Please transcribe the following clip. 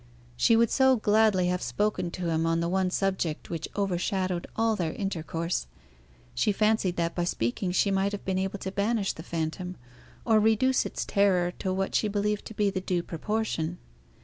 She would so gladly have spoken to him on the one subject which overshadowed all their intercourse; she fancied that by speaking she might have been able to banish the phantom, or reduce its terror to what she believed to be the due proportion.